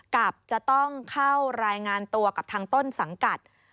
กับจะต้องเข้ารายงานตัวกับทางต้นสังกัด